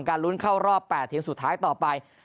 ลุ้นเข้ารอบ๘ทีมสุดท้ายต่อไป